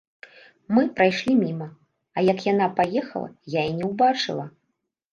Мы прайшлі міма, а як яна паехала, я і не ўбачыла.